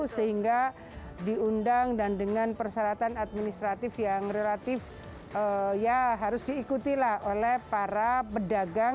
sehingga diundang dan dengan persyaratan administratif yang relatif ya harus diikuti lah oleh para pedagang